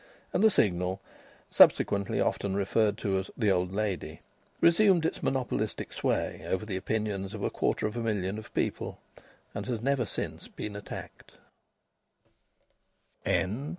And the Signal, subsequently often referred to as "The Old Lady," resumed its monopolistic sway over the opinions of a quarter of a million of people, and has never since been attacked.